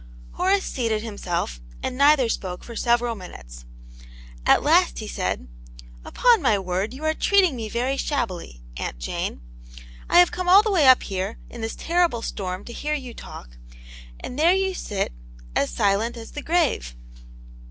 Horace seated himself, and neither spoke for several minutes. At last he said :" Upon my word, you are treating me very shab bily, Aunt Jane. I have come all the way up here in this terrible storm to hear you talk, and there you sit, as silent as the grave."